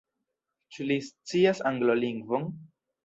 Ĉu li scias Anglolingvon?